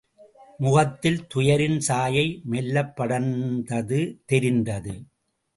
முகத்தில் துயரின் சாயை மெல்லப்படர்ந்தது தெரிந்தது.